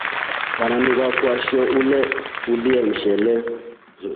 Wananu akwaa nshoo ulye mshele.